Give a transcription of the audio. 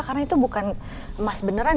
karena itu bukan emas beneran